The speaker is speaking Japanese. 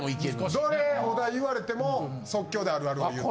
どれお題言われても即興であるあるを言う。